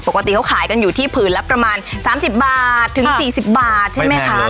ปกติเขาขายกันอยู่ที่ผืนละประมาณ๓๐บาทถึง๔๐บาทใช่ไหมคะ